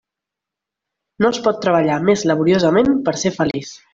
No es pot treballar més laboriosament per a ser feliç.